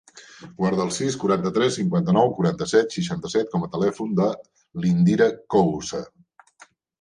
Guarda el sis, quaranta-tres, cinquanta-nou, quaranta-set, seixanta-set com a telèfon de l'Indira Couce.